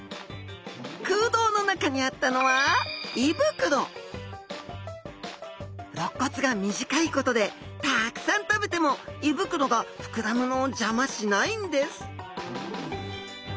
空洞の中にあったのはろっ骨が短いことでたくさん食べても胃袋が膨らむのを邪魔しないんです